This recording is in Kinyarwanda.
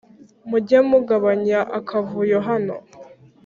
Mujye mugabanya akavuyo hano